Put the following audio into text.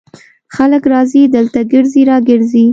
خلک راځي دلته ګرځي را ګرځي.